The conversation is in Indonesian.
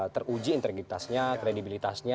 teruji integritasnya kredibilitasnya